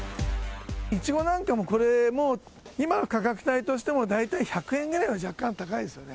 イチゴなんかも、これもう、今の価格帯としても大体１００円ぐらいは若干高いですよね。